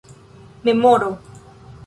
memoro